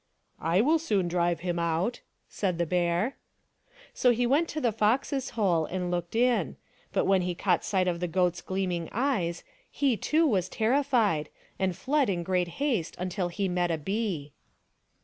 " I will soon drive him out," said the bear. So he went to the fox's hole and looked in ; but when he caught sight of the goat's gleaming eyes he too was terrified and fled in great haste until he met a bee.